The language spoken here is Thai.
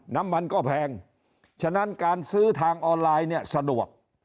น้ำมันก็แพงฉะนั้นการซื้อทางออนไลน์เนี่ยสะดวก